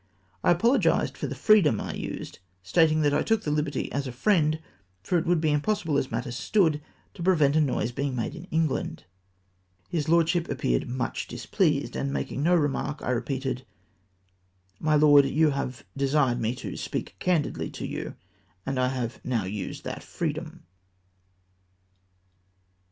I apologised for the freedom I used, stating that I took the hberty as a friend, for it would be im possible, as matters stood, to prevent a noise being made in England. His lordship appeared much displeased ; and making no remark, I repeated, " My Lord, you have before de sired me to ' speak candidly to you,' and I have now used that freedom."